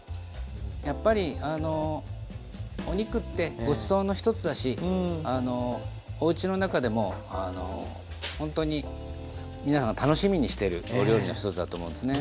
やっぱりあのお肉ってごちそうの一つだしおうちの中でもほんとに皆さんが楽しみにしてるお料理の一つだと思うんですね。